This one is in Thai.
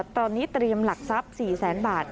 ตอนนี้เตรียมหลักทรัพย์๔แสนบาท